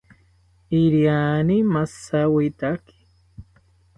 Iriani majawitaki